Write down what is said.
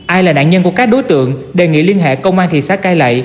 ai là nạn nhân của các đối tượng đề nghị liên hệ công an thị xã cai lệ